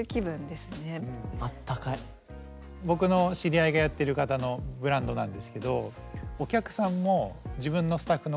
僕の知り合いがやってる方のブランドなんですけどほう。